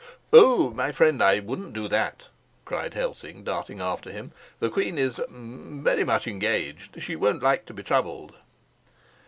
"Oh, my friend, I wouldn't do that," cried Helsing, darting after him. "The queen is well, very much engaged. She won't like to be troubled."